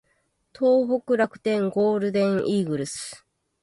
東北楽天ゴールデンイーグルス